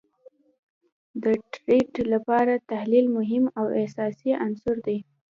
د ټریډ لپاره تحلیل مهم او اساسی عنصر دي